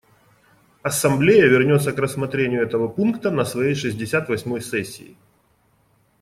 Ассамблея вернется к рассмотрению этого пункта на своей шестьдесят восьмой сессии.